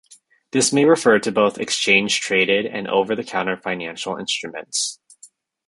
This may refer to both exchange-traded and over-the-counter financial instruments.